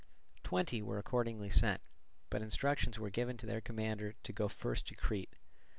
Twenty were accordingly sent, but instructions were given to their commander to go first to Crete.